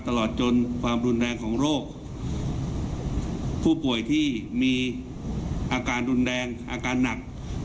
ตลอดจนความรุนแรงของโรคผู้ป่วยที่มีอาการรุนแรงอาการหนัก